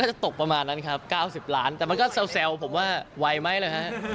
จะตกประมาณนั้นครับ๙๐ล้านแต่มันก็แซวผมว่าไวไหมล่ะฮะ